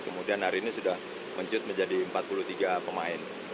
kemudian hari ini sudah menciut menjadi empat puluh tiga pemain